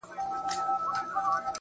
په زلفو ورا مه كوه مړ به مي كړې.